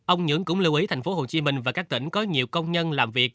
ông nhưỡng cũng lưu ý thành phố hồ chí minh và các tỉnh có nhiều công nhân làm việc